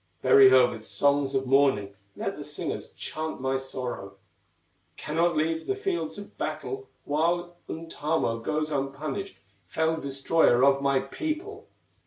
Bury her with songs of mourning, Let the singers chant my sorrow; Cannot leave the fields of battle While Untamo goes unpunished, Fell destroyer of my people."